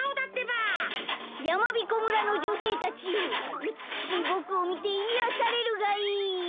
やまびこ村のじょせいたちようつくしいぼくをみていやされるがいい！